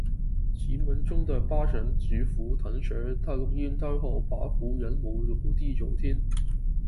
奇门中的八神，值符，腾蛇、太阴、六合、白虎、玄武、九地、九天